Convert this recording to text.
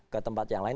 ke tempat yang lain